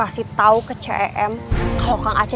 wah buang hebat cuando applying namcat